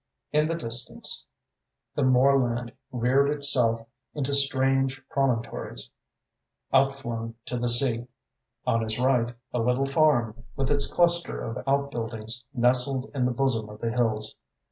In the distance, the moorland reared itself into strange promontories, out flung to the sea. On his right, a little farm, with its cluster of out buildings, nestled in the bosom of the hills.